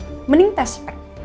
gue mau di tes pek